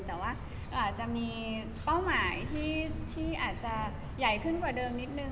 แต่ว่าอาจจะมีเป้าหมายที่อาจจะใหญ่ขึ้นกว่าเดิมนิดนึง